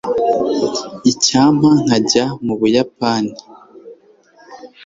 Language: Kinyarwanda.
Icyampa nkajya mu Buyapani